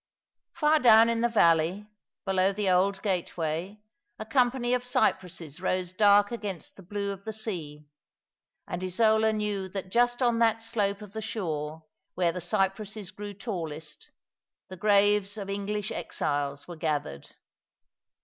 Far down in the valley, below the old gateway, a company of cypresses rose dark against the blue of the sea, and Isola knew that just on that slope of the shore where the cypresses grew tallest the graves of English exiles were gathered.